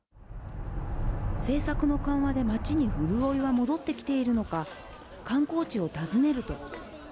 政策の緩和で街に潤いは戻ってきているのか、観光地を訪ねると。